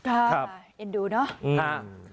ครับเอ็นดูเนอะอืมฮะ